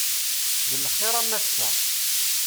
D lxir a Massa.